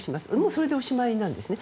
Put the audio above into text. それでおしまいなんですね。